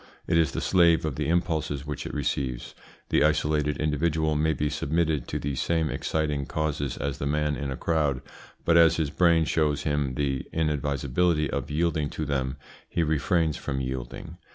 It is the slave of the impulses which it receives. The isolated individual may be submitted to the same exciting causes as the man in a crowd, but as his brain shows him the inadvisability of yielding to them, he refrains from yielding.